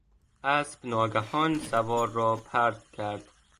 اسب ناگهان سوار را پرت کرد.